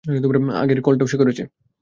আগের কলটাও সে করেছে।